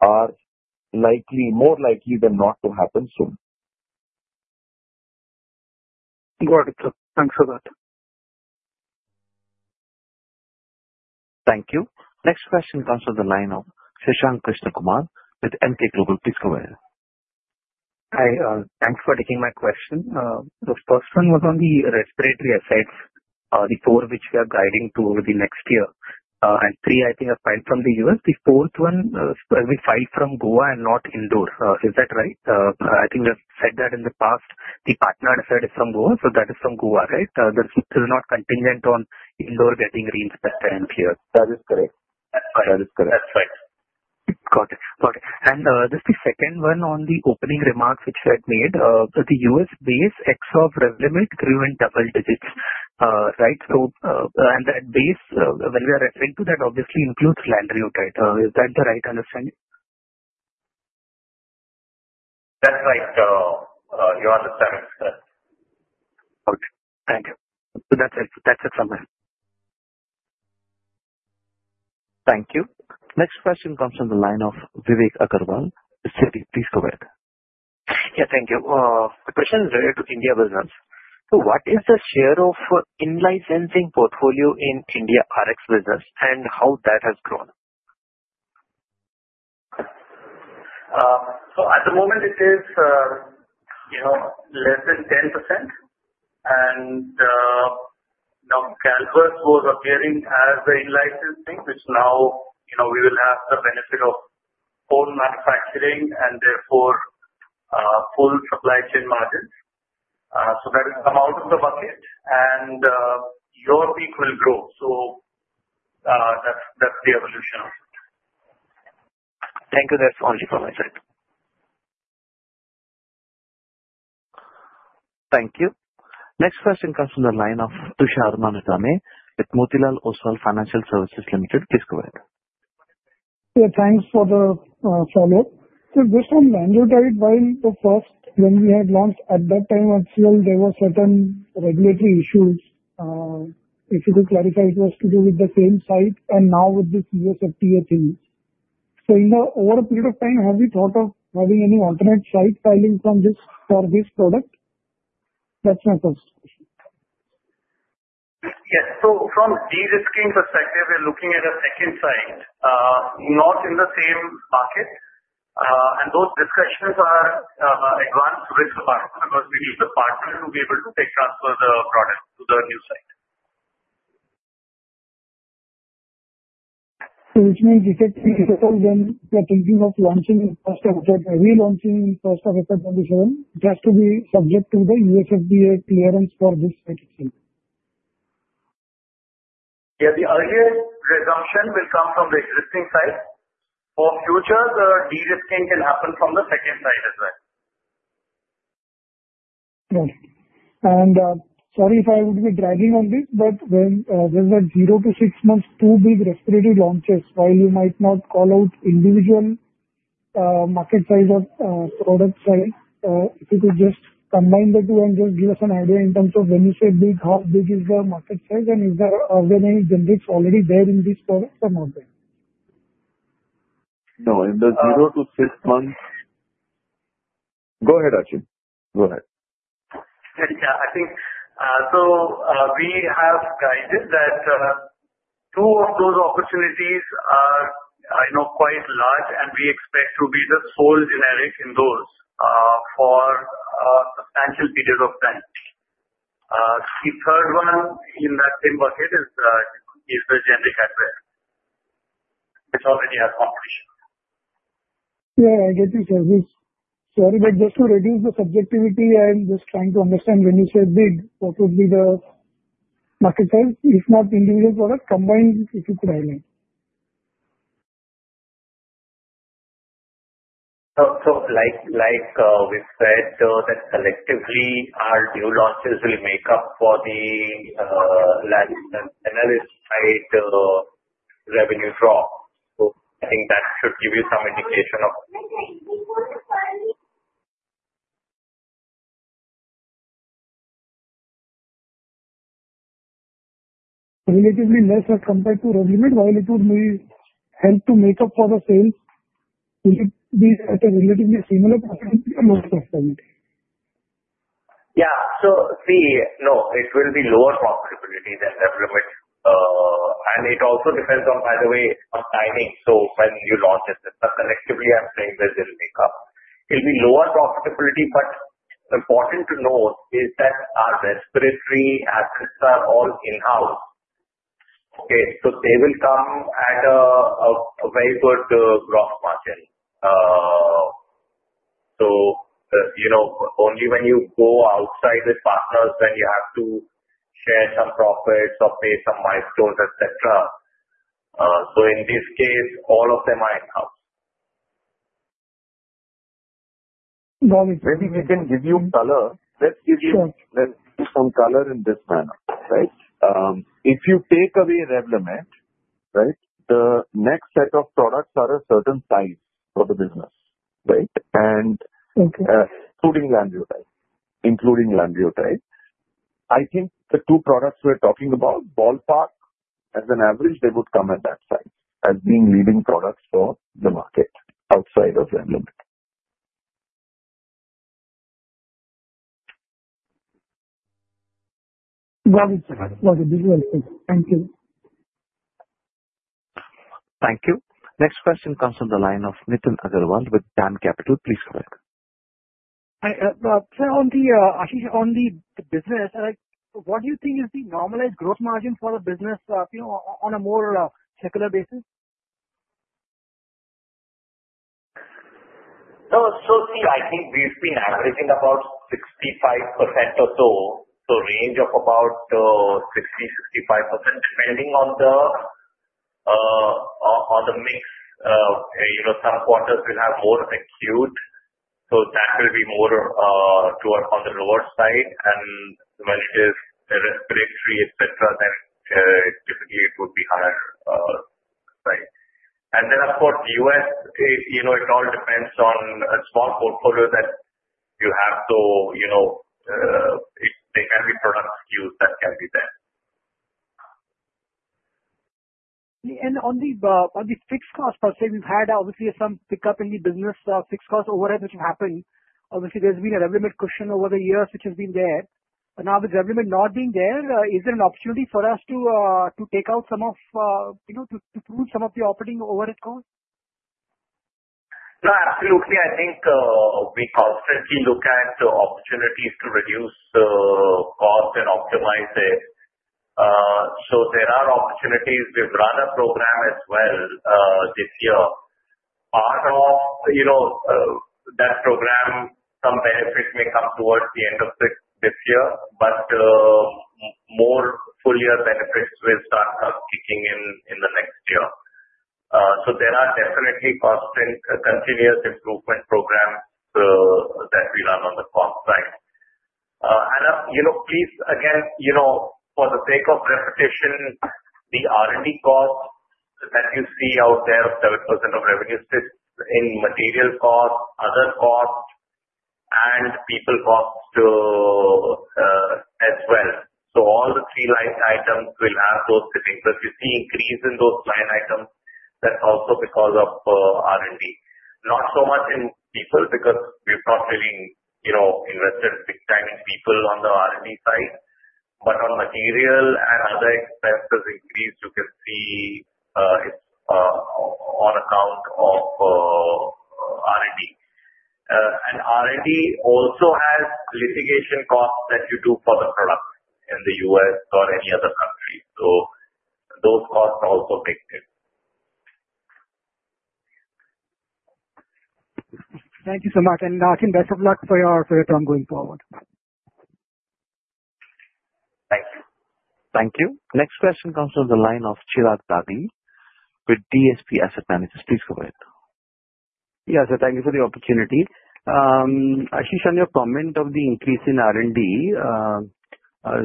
the launches are more likely than not to happen soon. Got it. Thanks for that. Thank you. Next question comes from the line of Shashank Krishnakumar with Emkay Global. Please go ahead. Hi. Thanks for taking my question. The first one was on the respiratory effects before which we are guiding to over the next year. And 3, I think, are filed from the U.S. The fourth one will be filed from Goa and not Indore. Is that right? I think we have said that in the past. The partner decided it's from Goa, so that is from Goa, right? That's not contingent on Indore getting reinspected here. That is correct. That is correct. That's right. Got it. Got it. And just the second one on the opening remarks which you had made, the U.S.-based ex-Revlimid revenue grew in double digits, right? And that base, when we are referring to that, obviously includes lanreotide. Is that the right understanding? That's right. You're on the 7th. Okay. Thank you. So that's it. That's it from me. Thank you. Next question comes from the line of Vivek Agarwal. Please go ahead. Yeah. Thank you. The question is related to India business. So what is the share of in-licensing portfolio in India RX business and how that has grown? At the moment, it is less than 10%. Now Galvus was appearing as the in-licensing, which now we will have the benefit of own manufacturing and therefore full supply chain margins. That will come out of the bucket, and your peak will grow. That's the evolution of it. Thank you. That's only from my side. Thank you. Next question comes from the line of Tushar Manudhane with Motilal Oswal Financial Services Limited. Please go ahead. Yeah. Thanks for the follow-up. So just on lanreotide, while the first, when we had launched at that time at CL, there were certain regulatory issues. If you could clarify, it was to do with the same site and now with this USFDA thing. So in the over a period of time, have we thought of having any alternate site filing for this product? That's my first question. Yes. So from de-risking perspective, we're looking at a second site, not in the same market. And those discussions are advanced with the partners because we need the partner to be able to take transfer the product to the new site. So which means if we are thinking of launching in first of FY 2027, are we launching in first of FY 2027? It has to be subject to the USFDA clearance for this site itself. Yeah. The earlier resumption will come from the existing site. For future, the de-risking can happen from the second site as well. Got it. Sorry if I would be dragging on this, but there's 0-6 months, 2 big respiratory launches while you might not call out individual market size of products. If you could just combine the two and just give us an idea in terms of when you say big, how big is the market size? And is there organized generics already there in these products or not there? No. In the 0-6 months, go ahead, Achin. Go ahead. Yeah. I think so we have guided that two of those opportunities are quite large, and we expect to be the sole generic in those for substantial periods of time. The third one in that same bucket is the generic Albuterol, which already has competition. Yeah. I get your service. Sorry, but just to reduce the subjectivity and just trying to understand when you say big, what would be the market size? If not individual product, combined, if you could highlight. Like we've said, that collectively our new launches will make up for the lanreotide revenue drop. I think that should give you some indication of. Relatively less as compared to Revlimid while it would help to make up for the sales. Will it be at a relatively similar profitability or lower profitability? Yeah. So see, no, it will be lower profitability than Revlimid. And it also depends on, by the way, on timing. So when you launch it, collectively, I'm saying that it'll make up. It'll be lower profitability, but important to note is that our respiratory assets are all in-house. Okay? So they will come at a very good gross margin. So only when you go outside with partners, then you have to share some profits or pay some milestones, etc. So in this case, all of them are in-house. Well, maybe we can give you color. Let's give you some color in this manner, right? If you take away Revlimid, right, the next set of products are a certain size for the business, right? And including lanreotide, including lanreotide, I think the two products we're talking about, ballpark as an average, they would come at that size as being leading products for the market outside of Revlimid. Well, it's not a big one. Thank you. Thank you. Next question comes from the line of Nitin Agarwal with DAM Capital. Please go ahead. Hi. I think only the business, what do you think is the normalized gross margin for the business on a more secular basis? No. So see, I think we've been averaging about 65% or so. So range of about 60%-65% depending on the mix. Some quarters will have more acute, so that will be more on the lower side. And when it is respiratory, etc., then typically it would be higher, right? And then, of course, U.S., it all depends on a small portfolio that you have. So there can be product skews that can be there. On the fixed cost, let's say we've had obviously some pickup in the business fixed cost overhead which will happen. Obviously, there's been a Revlimid cushion over the years which has been there. Now, with Revlimid not being there, is there an opportunity for us to take out some of to prove some of the operating overhead costs? No. Absolutely. I think we constantly look at opportunities to reduce costs and optimize it. So there are opportunities. We've run a program as well this year. Part of that program, some benefits may come towards the end of this year, but more full-year benefits will start kicking in in the next year. So there are definitely constant continuous improvement programs that we run on the cost side. And please, again, for the sake of repetition, the R&D cost that you see out there of 7% of revenue sits in material cost, other cost, and people cost as well. So all the three line items will have those sitting. But you see increase in those line items, that's also because of R&D. Not so much in people because we've not really invested big time in people on the R&D side. But on material and other expenses increased, you can see it's on account of R&D. And R&D also has litigation costs that you do for the product in the U.S. or any other country. So those costs also take place. Thank you so much. And Achin, best of luck for your term going forward. Thank you. Thank you. Next question comes from the line of Chirag Dagli with DSP Asset Managers. Please go ahead. Yeah. So thank you for the opportunity. Ashish, on your comment of the increase in R&D,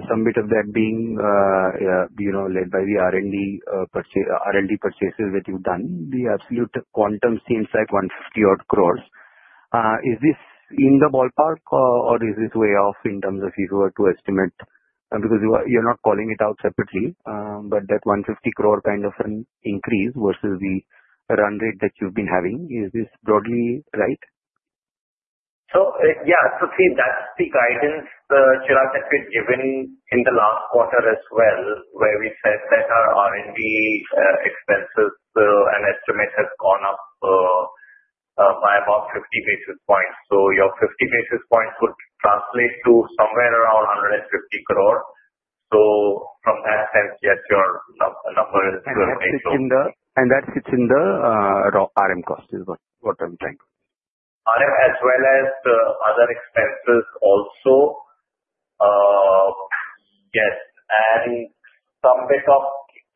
some bit of that being led by the R&D purchases that you've done, the absolute quantum seems like 150-odd crore. Is this in the ballpark, or is this way off in terms of if you were to estimate? Because you're not calling it out separately, but that 150-crore kind of an increase versus the run rate that you've been having, is this broadly right? Yeah. See, that's the guidance Chirag had given in the last quarter as well, where we said that our R&D expenses and estimate have gone up by about 50 basis points. Your 50 basis points would translate to somewhere around 150 crore. From that sense, yes, your number is very major. That sits in the RM cost is what I'm trying to. RM as well as other expenses also, yes. And some bit of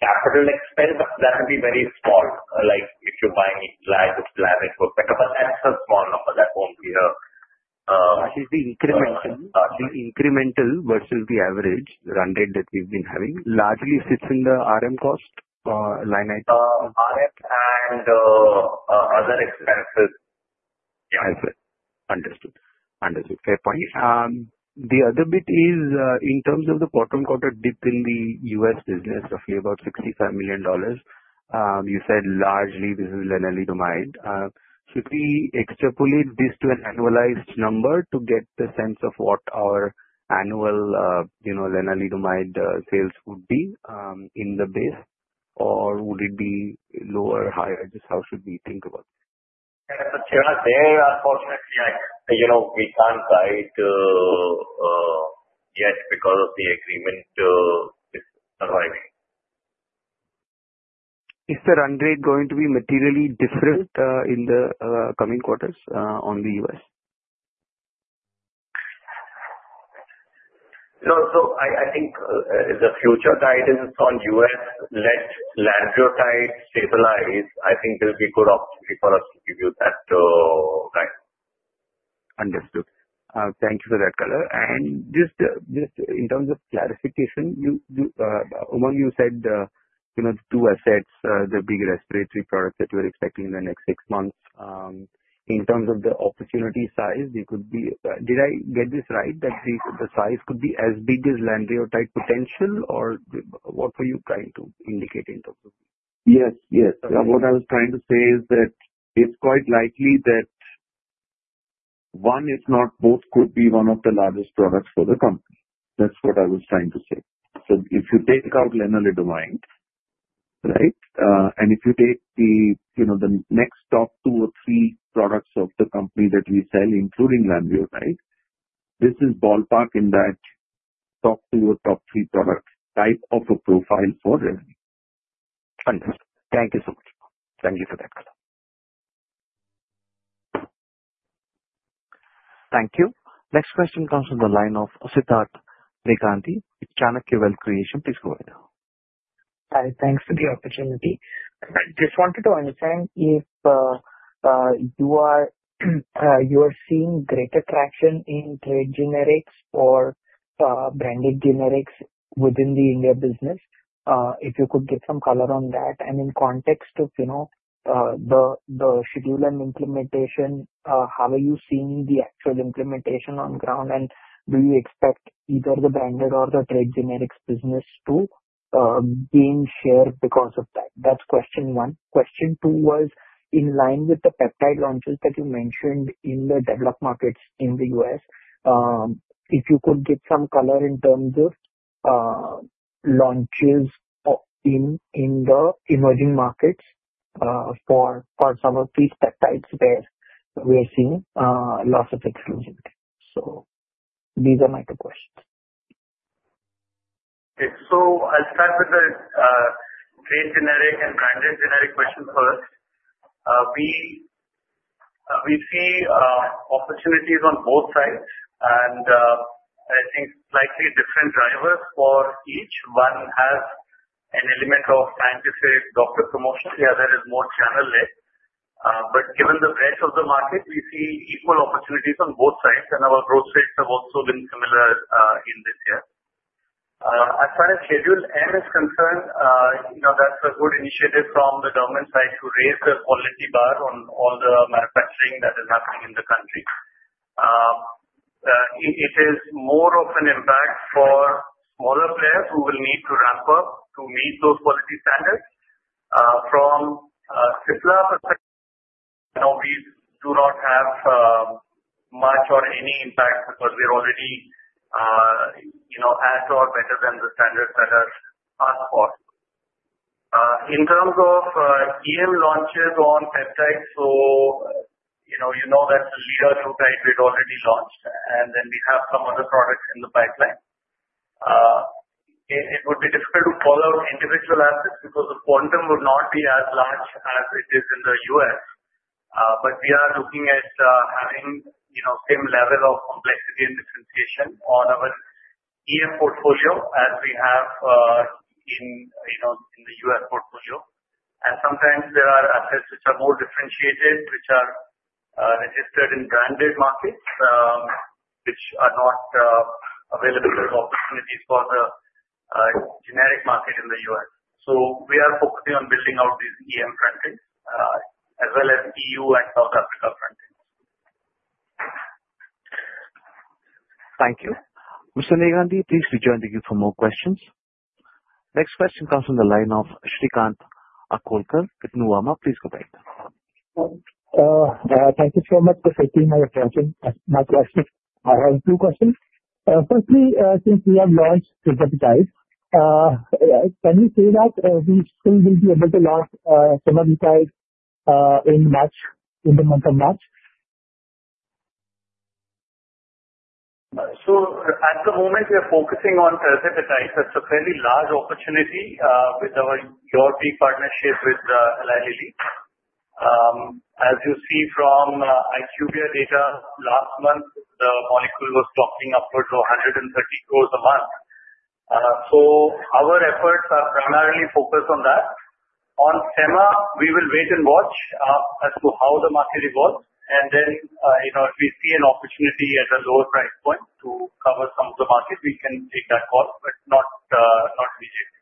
capital expense, that would be very small. If you're buying large plan, it would be better. But that's a small number. That won't be a. Ashish, the incremental versus the average run rate that we've been having largely sits in the RM cost line item? RM and other expenses. Yeah. I see. Understood. Understood. Fair point. The other bit is in terms of the quarter-on-quarter dip in the U.S. business, roughly about $65 million. You said largely this is lenalidomide. Should we extrapolate this to an annualized number to get the sense of what our annual lenalidomide sales would be in the base, or would it be lower, higher? Just how should we think about it? Yeah. So Chirag, they are fortunately we can't guide yet because of the agreement arriving. Is the run rate going to be materially different in the coming quarters on the U.S.? No. So I think the future guidance on U.S.-led lanreotide stabilize, I think there'll be good opportunity for us to give you that guide. Understood. Thank you for that color. Just in terms of clarification, Umang, you said the 2 assets, the big respiratory product that you're expecting in the next 6 months. In terms of the opportunity size, it could be, did I get this right, that the size could be as big as lanreotide potential, or what were you trying to indicate in terms of? Yes. Yes. What I was trying to say is that it's quite likely that 1, if not both, could be 1 of the largest products for the company. That's what I was trying to say. So if you take out Lenalidomide, right, and if you take the next top 2 or 3 products of the company that we sell, including lanreotide, this is ballpark in that top 2 or top 3 product type of a profile for Revlimid. Understood. Thank you so much. Thank you for that color. Thank you. Next question comes from the line of Siddharth Negandhi. It's Chanakya Wealth Creation. Please go ahead. Hi. Thanks for the opportunity. I just wanted to understand if you are seeing greater traction in trade generics or branded generics within the India business. If you could give some color on that. In context of the Schedule M implementation, how are you seeing the actual implementation on ground, and do you expect either the branded or the trade generics business to gain share because of that? That's question one. Question two was in line with the peptide launches that you mentioned in the developed markets in the US, if you could give some color in terms of launches in the emerging markets for some of these peptides where we're seeing lots of exclusivity. So these are my two questions. Okay. I'll start with the trade generic and branded generic question first. We see opportunities on both sides, and I think slightly different drivers for each. One has an element of scientific doctor promotion. The other is more channel-led. But given the breadth of the market, we see equal opportunities on both sides, and our growth rates have also been similar in this year. As far as Schedule M is concerned, that's a good initiative from the government side to raise the quality bar on all the manufacturing that is happening in the country. It is more of an impact for smaller players who will need to ramp up to meet those quality standards. From Cipla perspective, we do not have much or any impact because we're already at or better than the standards that are asked for. In terms of EM launches on peptides, so you know that the lanreotide we've already launched, and then we have some other products in the pipeline. It would be difficult to call out individual assets because the quantum would not be as large as it is in the U.S. But we are looking at having the same level of complexity and differentiation on our EM portfolio as we have in the U.S. portfolio. And sometimes there are assets which are more differentiated, which are registered in branded markets, which are not available as opportunities for the generic market in the US. So we are focusing on building out these EM front ends as well as EU and South Africa front ends. Thank you. Mr. Negandhi, please join the group for more questions. Next question comes from the line of Shrikant Akolkar with Nuvama. Please go ahead. Thank you so much for taking my attention. My question. I have two questions. Firstly, since we have launched tirzepatide, can you say that we still will be able to launch semaglutide in March, in the month of March? So at the moment, we are focusing on tirzepatide. That's a fairly large opportunity with our European partnership with Lenalidomide. As you see from IQVIA data last month, the molecule was dropping upwards of 130 crore a month. So our efforts are primarily focused on that. On Sema, we will wait and watch as to how the market evolves. And then if we see an opportunity at a lower price point to cover some of the market, we can take that call, but not immediately.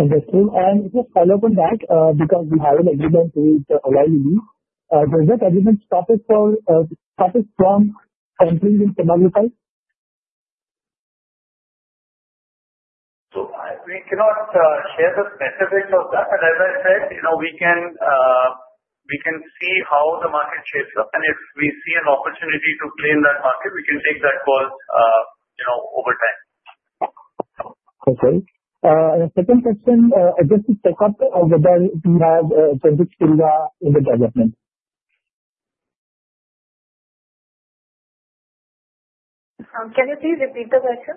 Understood. Just follow up on that because we have an agreement with Lenalidomide. Does that agreement stop it from entering in semaglutide? So we cannot share the specifics of that. But as I said, we can see how the market shapes up. And if we see an opportunity to play in that market, we can take that call over time. Okay. And the second question, just to check up whether we have Generic Spiriva in the development? Can you please repeat the question?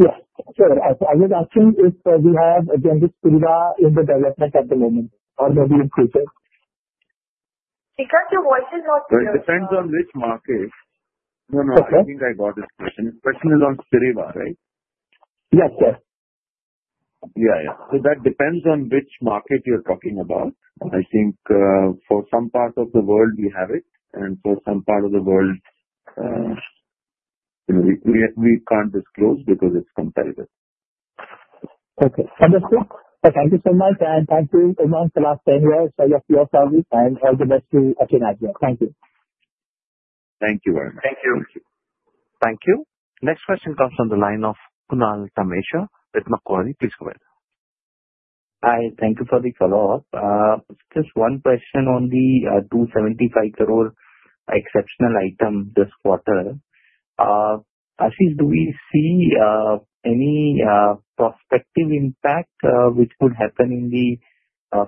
Yes. Sure. I was asking if we have generic Spiriva in the development at the moment or maybe in the future. Because your voice is not clear. Well, it depends on which market. No, no. I think I got this question. The question is on Spiriva, right? Yes, sir. Yeah, yeah. That depends on which market you're talking about. I think for some part of the world, we have it. And for some part of the world, we can't disclose because it's competitive. Okay. Understood. Thank you so much. And thank you, Umang, for last 10 years. Your service and all the best to Achin. Thank you. Thank you very much. Thank you. Thank you. Thank you. Next question comes from the line of Kunal Dhamesha with Macquarie. Please go ahead. Hi. Thank you for the follow-up. Just one question on the 275 crore exceptional item this quarter. Ashish, do we see any prospective impact which could happen in the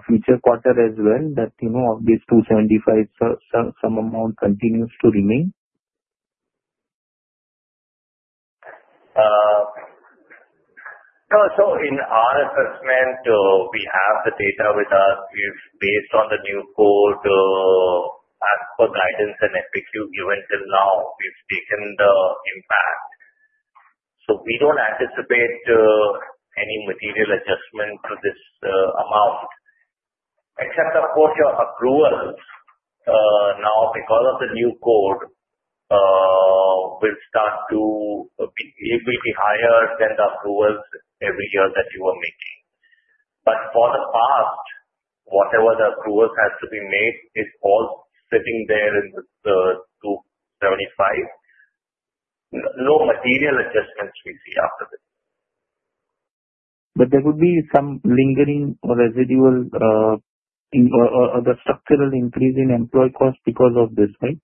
future quarter as well that this 275 crore some amount continues to remain? No. So, in our assessment, we have the data with us. We've based on the new code to ask for guidance and FAQ even till now. We've taken the impact. So, we don't anticipate any material adjustment to this amount, except, of course, your accruals now because of the new code will start to be higher than the accruals every year that you were making. But for the past, whatever the accruals have to be made is all sitting there in the 275. No material adjustments we see after this. But there could be some lingering residual or the structural increase in employee cost because of this, right?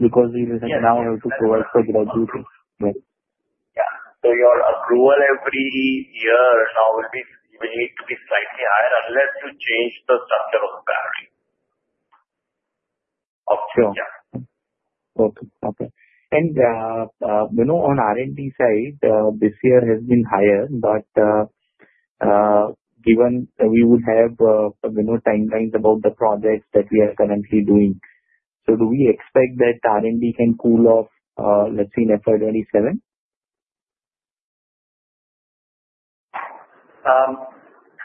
Because we will now have to provide for graduating. Yeah. So your accrual every year now will need to be slightly higher unless you change the structure of the battery. Okay. Okay. And on R&D side, this year has been higher, but given we would have timelines about the projects that we are currently doing. So do we expect that R&D can cool off, let's say, in FY 2027?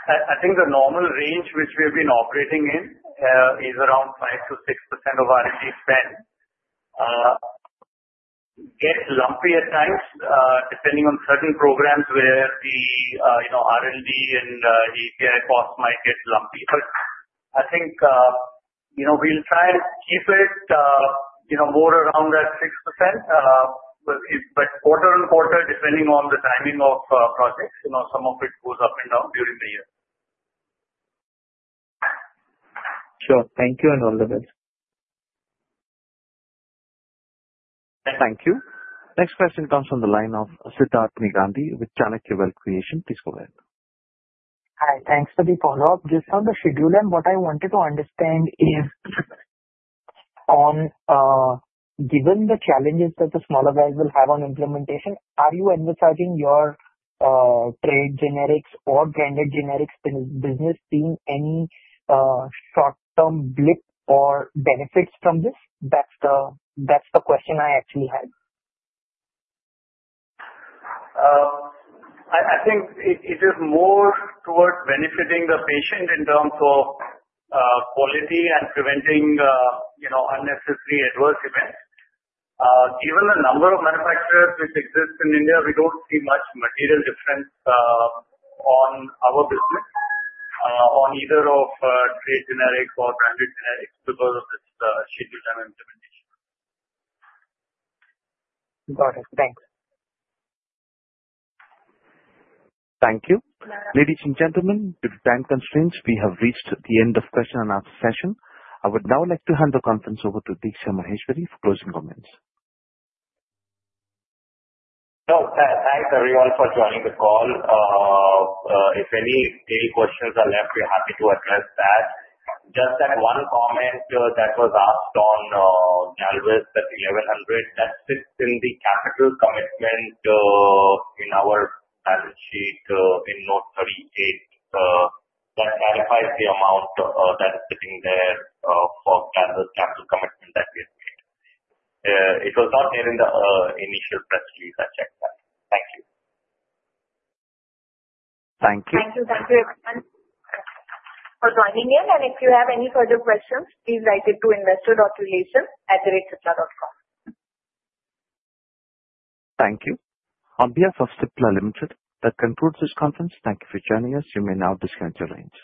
I think the normal range which we have been operating in is around 5%-6% of R&D spend. Gets lumpy at times depending on certain programs where the R&D and API cost might get lumpy. But I think we'll try and keep it more around that 6%. But quarter-on-quarter, depending on the timing of projects, some of it goes up and down during the year. Sure. Thank you and all the best. Thank you. Next question comes from the line of Sidharth Negandhi `with Chanakya Wealth Creation. Please go ahead. Hi. Thanks for the follow-up. Just on the Schedule M, what I wanted to understand is given the challenges that the smaller guys will have on implementation, are you advertising your trade generics or branded generics business seeing any short-term blip or benefits from this? That's the question I actually had. I think it is more towards benefiting the patient in terms of quality and preventing unnecessary adverse events. Given the number of manufacturers which exist in India, we don't see much material difference on our business on either of trade generics or branded generics because of this Schedule M implementation. Got it. Thanks. Thank you. Ladies and gentlemen, due to time constraints, we have reached the end of question and answer session. I would now like to hand the conference over to Diksha Maheshwari for closing comments. No. Thanks everyone for joining the call. If any scale questions are left, we're happy to address that. Just that one comment that was asked on Galvus at 1100, that sits in the capital commitment in our balance sheet in Note 38 that clarifies the amount that is sitting there for Galvus capital commitment that we have made. It was not there in the initial press release. I checked that. Thank you. Thank you. Thank you. Thank you everyone for joining in. If you have any further questions, please write it to investor.relations@cipla.com. Thank you. On behalf of Cipla Limited, that concludes this conference. Thank you for joining us. You may now disconnect or land.